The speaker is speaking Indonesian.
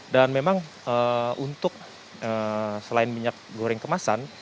dan memang untuk selain minyak goreng kemasan